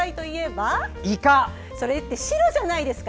それって白じゃないですか。